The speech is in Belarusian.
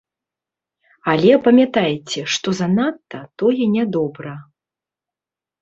Але памятайце, што занадта, тое не добра.